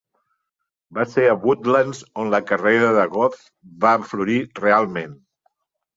Va ser a Woodlands on la carrera de Goh va florir realment.